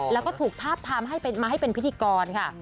แล้วก็ถูกทาบทามให้มาให้เป็นพิธีกรค่ะ